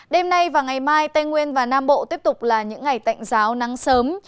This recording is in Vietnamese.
đêm nay và ngày mai tây nguyên và nam bộ tiếp tục là những ngày tạnh giáo nắng sớm